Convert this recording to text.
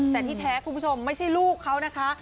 แต่ที่แท้คุณผู้ชมไม่ใช่ลูกเขานะคะ